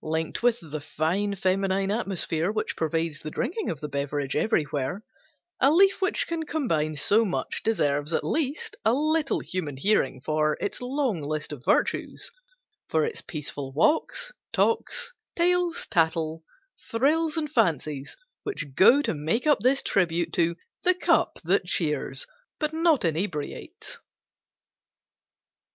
Linked with the fine feminine atmosphere which pervades the drinking of the beverage everywhere, a leaf which can combine so much deserves, at least, a little human hearing for its long list of virtues; for its peaceful walks, talks, tales, tattle, frills, and fancies which go to make up this tribute to "the cup that cheers but not inebriates."